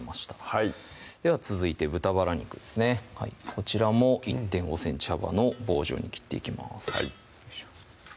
はいでは続いて豚バラ肉ですねこちらも１．５ｃｍ幅の棒状に切っていきます